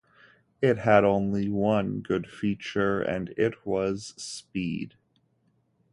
It had only one good feature, and it was speed.